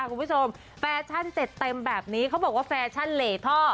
คุณผู้ชมแฟชั่นเจ็ดเต็มแบบนี้เขาบอกว่าแฟชั่นเหลท่อ